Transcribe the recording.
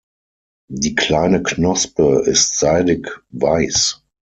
Die kleine Knospe ist seidig weiß.